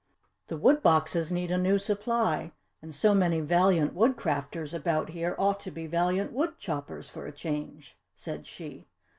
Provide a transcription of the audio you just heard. "The wood boxes need a new supply and so many valiant Woodcrafters about here ought to be valiant woodchoppers for a change!" said she.